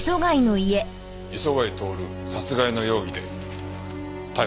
磯貝徹殺害の容疑で逮捕します。